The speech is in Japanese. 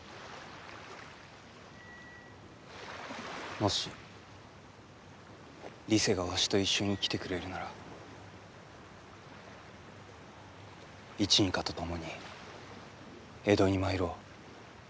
もしリセがわしと一緒に来てくれるならイチニカと共に江戸に参ろう。